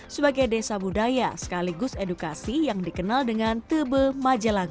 sebagai desa budaya sekaligus edukasi yang dikenal dengan tebe majalah